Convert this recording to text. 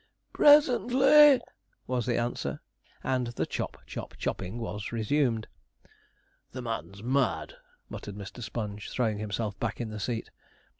'Presently,' was the answer; and the chop, chop, chopping was resumed. 'The man's mad,' muttered Mr. Sponge, throwing himself back in the seat.